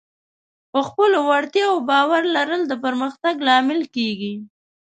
په خپلو وړتیاوو باور لرل د پرمختګ لامل کېږي.